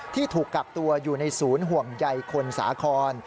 ที่ถูกกักตัวอยู่ในศูนย์ห่วงใยคนสาคร